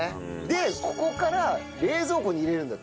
でここから冷蔵庫に入れるんだって。